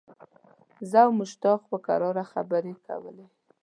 زه او مشتاق په کراره خبرې کولې.